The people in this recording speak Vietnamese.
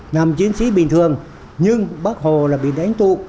nằm chiến sĩ bình thường nhưng bác hồ là bị đánh tụ